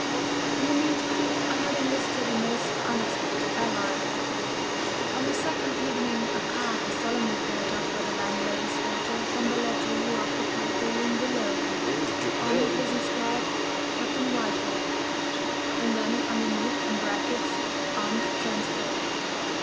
In the meantime I had enlisted a most unexpected ally. On the second evening a card was solemnly brought up by the landlady's daughter from the lodger who occupied the room below. On it was inscribed "Captain Whitehall"; and then underneath, in brackets, "Armed Transport."